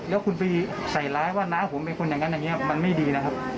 แล้วคุณไปใส่ร้ายว่าน้าผมเป็นคนอย่างนั้นอย่างนี้มันไม่ดีนะครับ